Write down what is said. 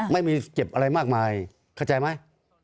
ไม่มีเจ็บอะไรมากมายเข้าใจไหม